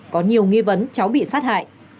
có nhiều nghi vấn cháu bị sát hại